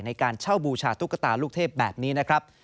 ในการเช่าบูชาตุ๊กตาลูกเทพแบบนี้นะครับ